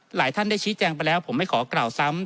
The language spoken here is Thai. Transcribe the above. หลายท่านได้ชี้แจงไปแล้วผมไม่ขอกล่าวซ้ำ